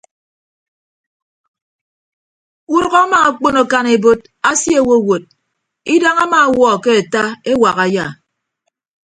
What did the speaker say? Udʌk ama akpon akan ebot asie owowot idañ ama ọwuọ ke ata ewak aya.